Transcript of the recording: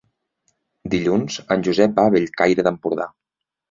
Dilluns en Josep va a Bellcaire d'Empordà.